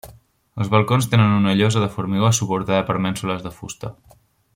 Els balcons tenen una llosa de formigó suportada per mènsules de fusta.